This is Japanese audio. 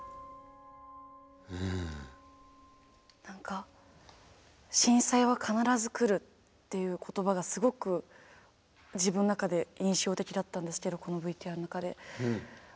何か震災は必ず来るっていう言葉がすごく自分の中で印象的だったんですけどこのＶＴＲの中で。